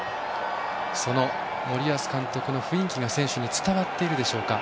その森保監督の雰囲気が選手に伝わっているでしょうか。